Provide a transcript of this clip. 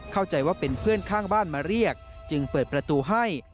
เข้าใจว่าเป็นเพื่อนข้างบ้านมาเรียกจึงเปิดประตูให้